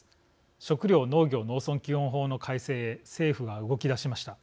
食料・農業・農村基本法の改正へ政府が動き出しました。